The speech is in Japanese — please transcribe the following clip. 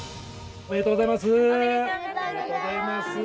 おめでとうございます。